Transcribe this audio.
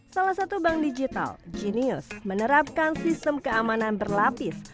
salah satu bank digital genius menerapkan sistem keamanan berlapis